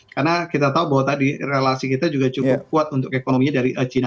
karena kita tahu bahwa tadi relasi kita juga cukup kuat untuk ekonominya dari china